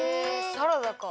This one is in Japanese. サラダか。